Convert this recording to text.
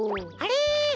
あれ？